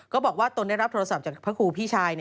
ตนได้รับโทรศัพท์จากพระครูพี่ชาย